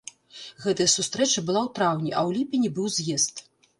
Гэтая сустрэча была ў траўні, а ў ліпені быў з'езд.